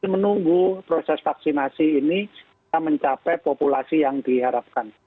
menunggu proses vaksinasi ini kita mencapai populasi yang diharapkan